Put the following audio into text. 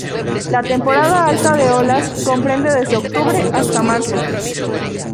La temporada alta de olas comprende desde octubre hasta marzo.